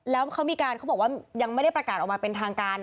แล้วเขามีการเขาบอกว่ายังไม่ได้ประกาศออกมาเป็นทางการ